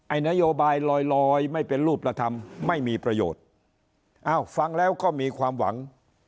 นโยบายลอยลอยไม่เป็นรูปธรรมไม่มีประโยชน์อ้าวฟังแล้วก็มีความหวัง